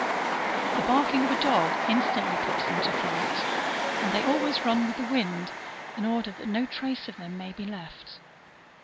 The barking of a dog instantly puts them to flight, and they always run with the wind, in order that no trace of them may be left.